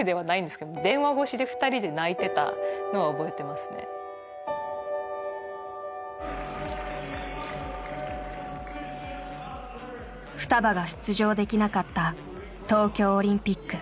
ふたばが出場できなかった東京オリンピック。